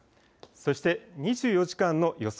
そして２４時間の予想